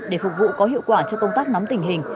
để phục vụ có hiệu quả cho công tác nắm tình hình